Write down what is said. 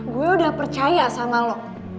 gue udah percaya sama lo